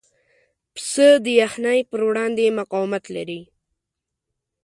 پسه د یخنۍ پر وړاندې مقاومت لري.